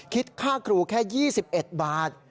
คิดค่าครูแค่๒๑บาท